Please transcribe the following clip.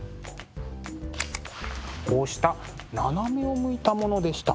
こうした斜めを向いたものでした。